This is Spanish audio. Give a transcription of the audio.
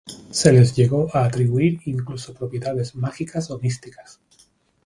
Se les llegó a atribuir incluso propiedades mágicas o místicas.